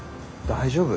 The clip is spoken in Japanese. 大丈夫？